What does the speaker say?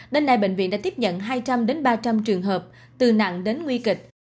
đến nay bệnh viện đã tiếp nhận hai trăm linh ba trăm linh trường hợp từ nặng đến nguy kịch